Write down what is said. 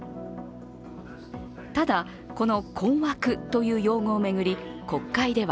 ただ、この「困惑」という用語を巡り国会では